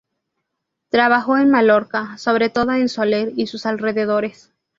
Trabajó en Mallorca, sobre todo en Sóller y sus alrededores.